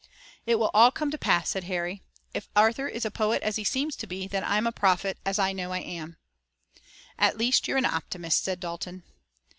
"It will all come to pass," said Harry. "If Arthur is a poet as he seems to be, then I'm a prophet, as I know I am." "At least you're an optimist," said Dalton.